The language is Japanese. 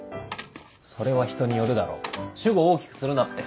それは人によるだろ主語大きくするなって。